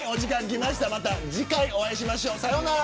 また次回、お会いしましょう。さようなら。